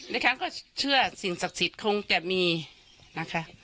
ดิฉันก็เชื่อสิ่งศักดิ์สิทธิ์คงจะมีนะคะ